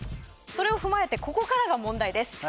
それを踏まえてここからが問題です